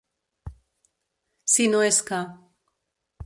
Si no és que.